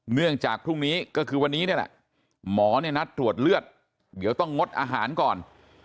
เนื่องจากพรุ่งนี้ก็คือวันนี้นี่แหละหมอเนี่ยนัดตรวจเลือดเดี๋ยวต้องงดอาหารก่อน